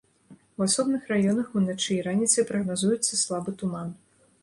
У асобных раёнах уначы і раніцай прагназуецца слабы туман.